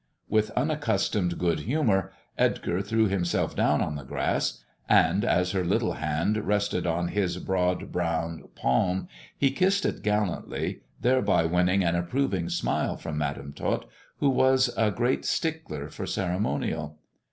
With unaccustomed good humour Edgar threw himself down on the grass, and as her little hand rested on his broad brown palm, he kissed it gallantly, thereby winning an approving smile from Madam Tot, who was a great stickler for ceremonial.